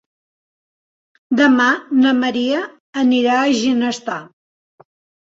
Demà na Maria anirà a Ginestar.